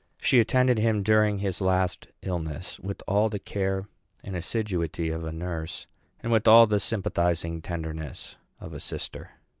She attended him during his last illness with all the care and assiduity of a nurse and with all the sympathizing tenderness of a sister.